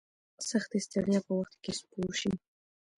سختي ستړیا په وخت کې سپور شي.